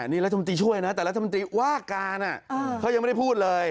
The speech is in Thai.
นี่รัฐมนตรีช่วยนะแต่รัฐมนตรีว่าการเขายังไม่ได้พูดเลย